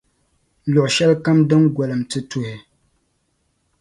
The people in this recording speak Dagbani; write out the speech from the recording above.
luɣu shɛlikam din golim ti tuhi.